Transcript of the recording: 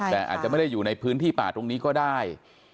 แต่อาจจะไม่ได้อยู่ในพื้นที่ป่าตรงนี้ก็ได้